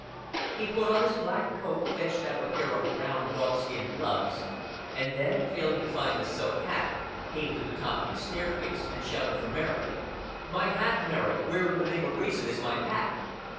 He put on his black coat, fetched out a pair of brown dogskin gloves, and then, failing to find the silk hat, came to the top of the staircase and shouted for Mary. "My hat, Mary. Where in the name of reason is my hat?"